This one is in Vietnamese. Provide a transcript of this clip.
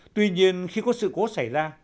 tuy nhiên khi có sự cố xảy ra